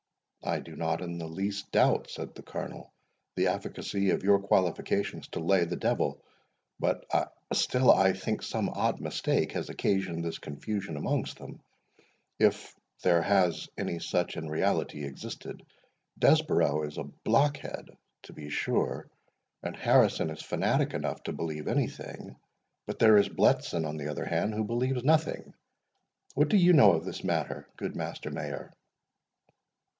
"I do not in the least doubt," said the Colonel, "the efficacy of your qualifications to lay the devil; but still I think some odd mistake has occasioned this confusion amongst them, if there has any such in reality existed. Desborough is a blockhead, to be sure; and Harrison is fanatic enough to believe anything. But there is Bletson, on the other hand, who believes nothing.—What do you know of this matter, good Master Mayor?"